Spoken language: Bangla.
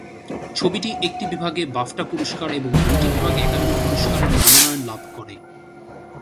ছবিটি একটি বিভাগে বাফটা পুরস্কার এবং দুইটি বিভাগে একাডেমি পুরস্কার-এর মনোনয়ন লাভ করে।